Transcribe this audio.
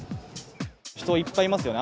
人いっぱいいますよね。